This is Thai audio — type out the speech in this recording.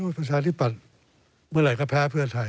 สมผลที่ปรันเมื่อไรก็แพ้เพื่อไทย